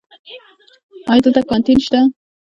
ایا دلته کانتین شته؟